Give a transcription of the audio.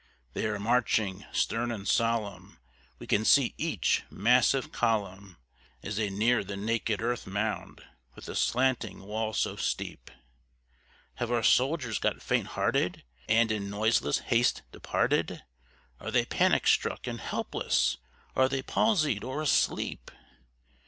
They are marching, stern and solemn; we can see each massive column As they near the naked earth mound with the slanting walls so steep. Have our soldiers got faint hearted, and in noiseless haste departed? Are they panic struck and helpless? Are they palsied or asleep?